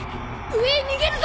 上へ逃げるぞ！